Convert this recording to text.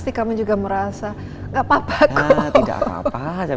dia juga merasa tidak apa apa kok